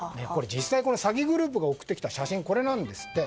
実際、詐欺グループが送ってきた写真これなんですって。